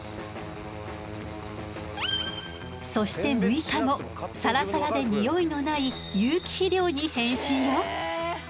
そして６日後サラサラでニオイのない有機肥料に変身よ。